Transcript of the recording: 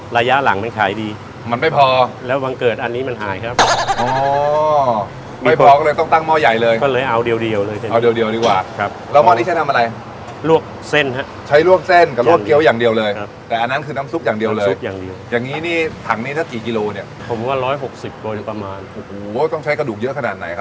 ระยะหลังมันขายดีมันไม่พอแล้วบังเกิดอันนี้มันหายครับอ๋อไม่พอก็เลยต้องตั้งหม้อใหญ่เลยก็เลยเอาเดียวเดียวเลยเอาเดียวดีกว่าครับแล้วหม้อนี้ใช้ทำอะไรลวกเส้นฮะใช้ลวกเส้นกับลวกเกี้ยวอย่างเดียวเลยครับแต่อันนั้นคือน้ำซุปอย่างเดียวเลยซุปอย่างเดียวอย่างนี้นี่ถังนี้ถ้ากี่กิโลเนี่ยผมว่าร้อยหกสิบโดยประมาณโอ้โหต้องใช้กระดูกเยอะขนาดไหนครับ